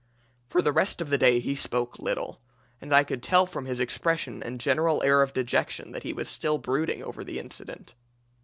"For the rest of the day he spoke little; and I could tell from his expression and general air of dejection that he was still brooding over the incident.